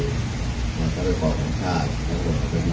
และมันต่ำก็เป็นของสัญชาติ